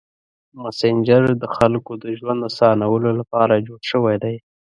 مسېنجر د خلکو د ژوند اسانولو لپاره جوړ شوی دی.